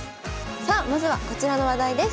さあまずはこちらの話題です。